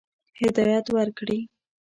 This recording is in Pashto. هدایت ورکړي.